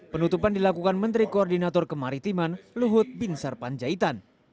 penutupan dilakukan menteri koordinator kemaritiman luhut bin sarpanjaitan